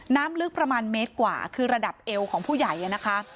น้ำลึกประมาณเมตรกว่าคือระดับเอวของผู้ใหญ่นะคะ